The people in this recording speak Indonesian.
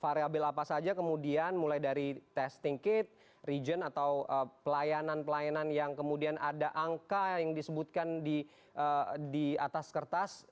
variabel apa saja kemudian mulai dari testing kit region atau pelayanan pelayanan yang kemudian ada angka yang disebutkan di atas kertas